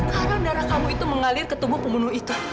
karena darah kamu itu mengalir ke tubuh pembunuh itu